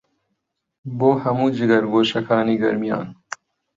بۆ هەموو جگەرگۆشەکانی گەرمیان